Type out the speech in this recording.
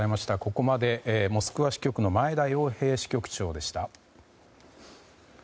ここまでモスクワ支局の前田洋平支局長でした。